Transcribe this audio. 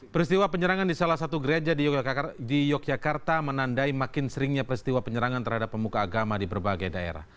peristiwa penyerangan di salah satu gereja di yogyakarta menandai makin seringnya peristiwa penyerangan terhadap pemuka agama di berbagai daerah